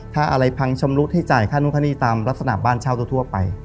ถ้าอะไรพังชำรุดให้จ่ายค่านู้นค่าหนี้ตามลักษณะบ้านเช่าทั่วไป